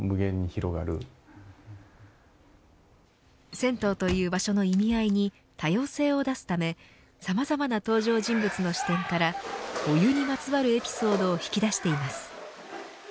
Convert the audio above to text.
銭湯という場所の意味合いに多様性を出すためさまざまな登場人物の視点からお湯にまつわるエピソードを引き出しています。